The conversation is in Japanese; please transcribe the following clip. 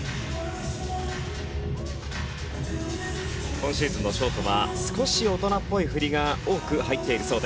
今シーズンのショートは少し大人っぽい振りが多く入っているそうです。